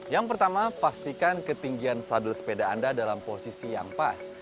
yang pertama pastikan ketinggian sadul sepeda anda dalam posisi yang pas